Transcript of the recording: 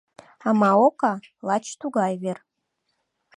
А Маока — лач тугай вер.